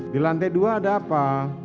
di lantai dua ada apa